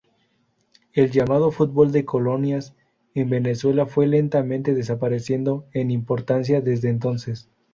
El llamado Fútbol de colonias en Venezuela fue lentamente desapareciendo en importancia desde entonces.